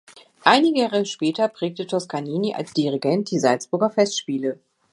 Einige Jahre prägte Toscanini als Dirigent die Salzburger Festspiele.